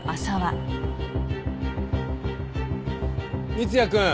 三ツ矢くん。